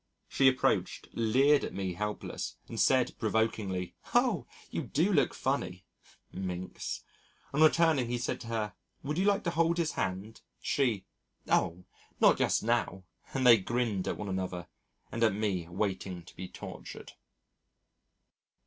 She approached, leered at me helpless, and said provokingly, "Oh! you do look funny." Minx. On returning he said to her, "Would you like to hold his hand?" She: "Oh! not just now." And they grinned at one another and at me waiting to be tortured.